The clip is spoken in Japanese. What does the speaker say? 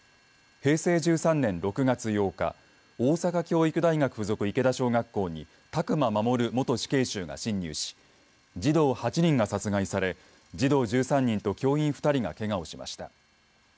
平成１３年６月８日大阪教育大学附属池田小学校に宅間守元死刑囚が侵入し児童８人が殺害され児童１３人と教員２人がけがをしました。